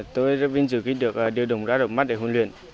tôi rất vinh dự khi được điều động đảo mắt để huấn luyện